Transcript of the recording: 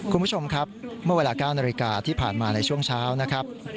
คุณผู้ชมครับเมื่อเวลา๙นาฬิกาที่ผ่านมาในช่วงเช้านะครับ